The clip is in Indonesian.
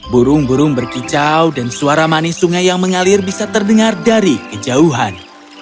burung burung berkicau dan suara manis sungai yang mengalir bisa terdengar dari kejauhan